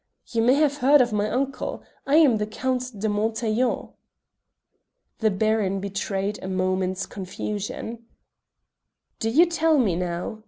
"You may have heard of my uncle; I am the Count de Montaiglon." The Baron betrayed a moment's confusion. "Do you tell me, now?"